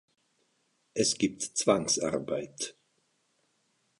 Es gibt Zwangsarbeit.